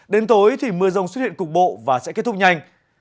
đến tối thì mưa rông xuất hiện cục bộ và sẽ kết thúc nhanh